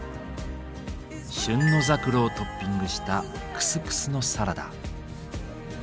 旬のザクロをトッピングしたクスクスのサラダ。